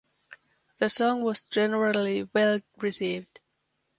The song was generally well received.